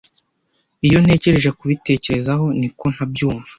Iyo ntekereje kubitekerezaho, niko ntabyumva.